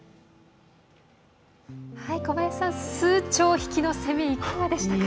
小林さん、数兆匹のセミいかがでしたか？